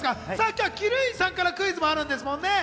今日は鬼龍院さんからクイズもあるんですよね？